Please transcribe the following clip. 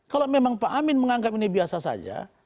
kalau memang pak amin menganggap ini biasa saja